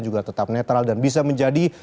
juga tetap netral dan bisa menjadi